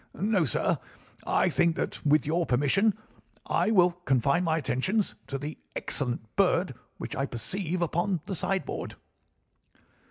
No, sir, I think that, with your permission, I will confine my attentions to the excellent bird which I perceive upon the sideboard."